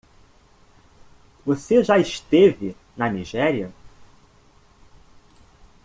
Você já esteve na Nigéria?